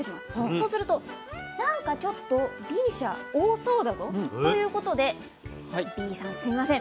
そうするとなんかちょっとＢ社多そうだぞということで「Ｂさんすいません。